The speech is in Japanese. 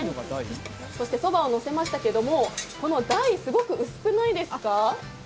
そして、そばをのせましたけれどもこの台、すごく薄くないですか？